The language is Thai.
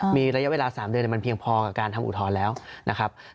มีระยะเวลา๓เดือนมันเพียงพอกับการทำอุทธรณ์แล้วนะครับ